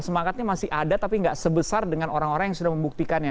semangatnya masih ada tapi nggak sebesar dengan orang orang yang sudah membuktikannya